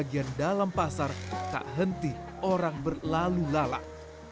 bagian dalam pasar tak henti orang berlalu lalang